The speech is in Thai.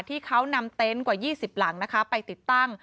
ที่เขานำเต็นต์กว่า๒๐หลังไปติดตั้ง